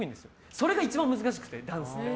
それが一番難しくて、ダンスで。